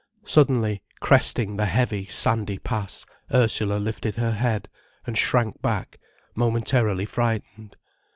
Suddenly, cresting the heavy, sandy pass, Ursula lifted her head, and shrank back, momentarily frightened.